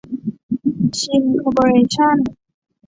ชิน คอร์ปอเรชั่น